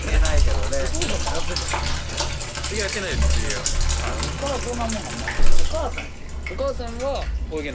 どっからそんなもんが生まれ。